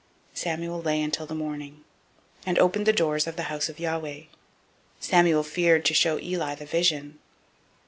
003:015 Samuel lay until the morning, and opened the doors of the house of Yahweh. Samuel feared to show Eli the vision.